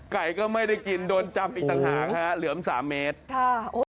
ไก่ก็ไม่ได้กินโดนจำอีกต่างหากฮะเหลือมสามเมตรค่ะโอ้ย